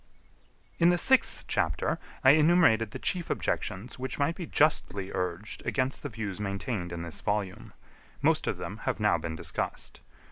In the sixth chapter I enumerated the chief objections which might be justly urged against the views maintained in this volume. Most of them have now been discussed.